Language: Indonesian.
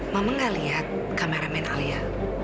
mama gak lihat kameramen alia